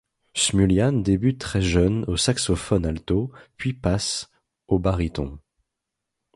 Smulyan débute très jeune au saxophone alto puis passe au baryton.